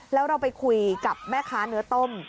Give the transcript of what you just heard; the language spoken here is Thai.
แล้วเราไปคุยกับแม่ค้าเนื้อต้ม